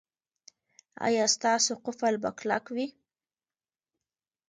ایا ستاسو قفل به کلک وي؟